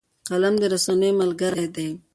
قلم د رسنیو ملګری دی